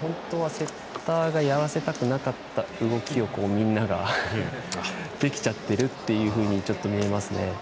本当はセッターがやらせたくなかった動きをみんなができちゃってるっていうふうにちょっと見えますね。